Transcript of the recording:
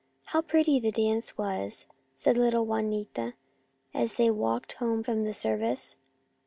" How pretty the dance was," said little Juanita, as they walked home from the service.